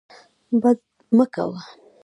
بد مه کوه.